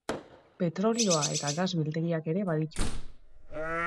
Petrolioa eta gas biltegiak ere baditu.